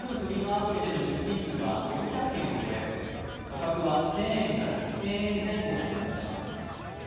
アプリでの出品数は４００件を超え価格は１０００円から２０００円前後が目立ちます。